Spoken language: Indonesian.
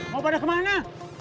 mau pada kemana